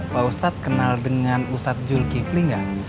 pak ustadz kenal dengan ustadz jul kipling gak